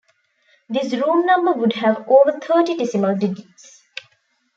This room number would have over thirty decimal digits.